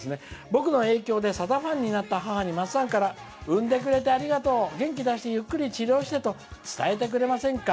「僕の影響でさだファンになった母にまっさんから元気出して、ゆっくり治療してと伝えてくれませんか。